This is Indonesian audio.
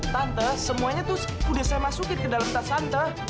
tante semuanya tuh udah saya masukin ke dalam tas santah